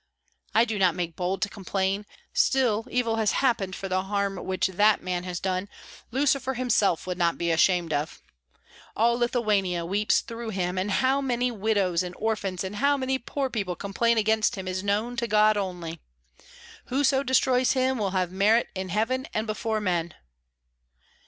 I do not make bold to complain; still evil has happened, for the harm which that man has done, Lucifer himself would not be ashamed of. All Lithuania weeps through him; and how many widows and orphans and how many poor people complain against him is known to God only. Whoso destroys him will have merit in heaven and before men."